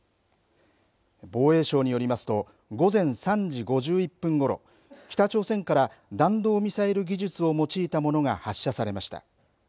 防衛省によりますと午前３時５１分ごろ北朝鮮から弾道ミサイル技術を用いた物が発射されました。